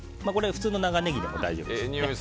普通の長ネギでも大丈夫です。